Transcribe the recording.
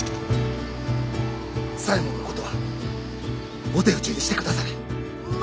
左衛門のことはお手討ちにしてくだされ。